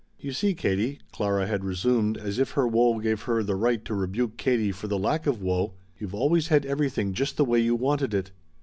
"You see, Katie," Clara had resumed, as if her woe gave her the right to rebuke Katie for the lack of woe, "you've always had everything just the way you wanted it."